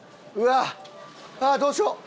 ああどうしよう！